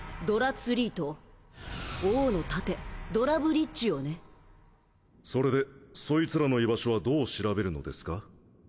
ドラツリーと「王の盾」ドラブリッジをねそれでそいつらの居場所はどう調べるのですか？